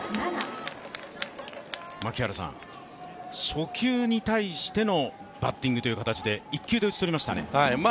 初球に対してのバッティングという形で１球で打ち取りましたね。